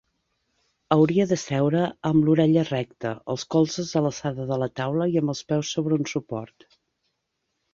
Hauria de seure amb l'orella recta, els colzes a l'alçada de la taula i amb els peus sobre un suport.